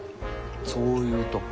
そういうとこ。